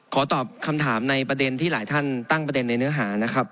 ขอตอบคำถามในประเด็นที่หลายท่านตั้งประเด็นในเนื้อหานะครับ